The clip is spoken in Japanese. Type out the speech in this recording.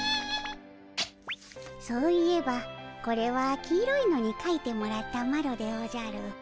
そういえばこれは黄色いのにかいてもらったマロでおじゃる。